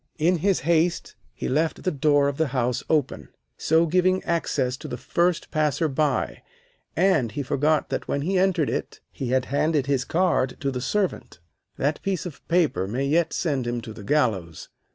In his haste he left the door of the house open, so giving access to the first passer by, and he forgot that when he entered it he had handed his card to the servant. That piece of paper may yet send him to the gallows.